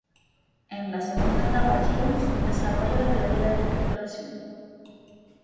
En la segunda etapa Giddens desarrolla la teoría de la estructuración.